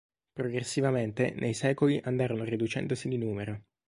Progressivamente nei secoli andarono riducendosi di numero.